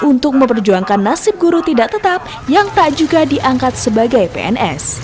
dan untuk memperjuangkan nasib guru tidak tetap yang tak juga diangkat sebagai pns